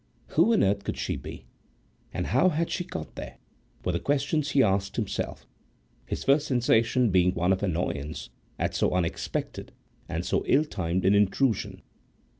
Who on earth could she be, and how had she got there? were the questions he asked himself, his first sensation being one of annoyance at so unexpected and so ill timed an intrusion.